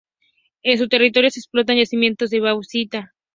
En su territorio se explotan yacimientos de bauxita.